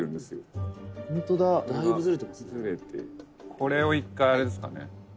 「これを一回あれですかね」